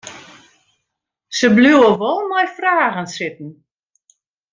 Se bliuwe wol mei fragen sitten.